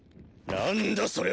何だそれは！